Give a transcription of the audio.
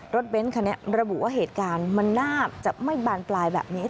เบ้นคันนี้ระบุว่าเหตุการณ์มันน่าจะไม่บานปลายแบบนี้